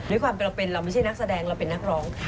ด้วยความเราเป็นเราไม่ใช่นักแสดงเราเป็นนักร้อง